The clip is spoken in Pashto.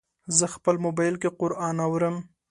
زه خپل موبایل کې قرآن اورم.